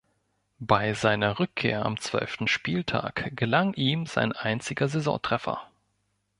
Bei seiner Rückkehr am zwölften Spieltag gelang ihm sein einziger Saisontreffer.